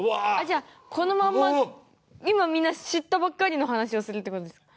じゃあこのまんま今みんな知ったばっかりの話をするってことですか？